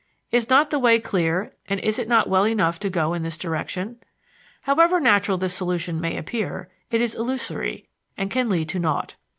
Is not the way clear and is it not well enough to go in this direction? However natural this solution may appear, it is illusory and can lead to naught.